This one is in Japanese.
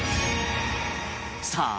さあ